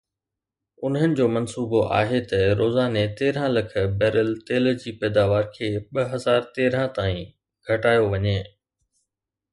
انهن جو منصوبو آهي ته روزاني تيرهن لک بيرل تيل جي پيداوار کي ٻه هزار تيرنهن تائين گهٽايو وڃي.